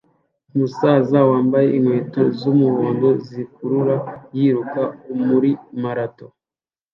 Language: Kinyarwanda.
Umusaza wambaye inkweto z'umuhondo ziruka yiruka muri marato